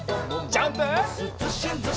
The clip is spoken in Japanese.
ジャンプ！